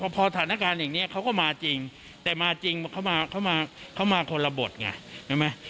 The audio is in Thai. พอสถานการณ์อย่างนี้เขาก็มาจริงแต่มาจริงเขามาคนละบทไงใช่ไหม